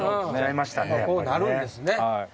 こうなるんですね。